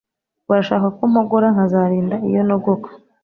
barashaka ko mpogora nkazarinda iyo nogoka